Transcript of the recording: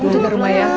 jaga rumah ya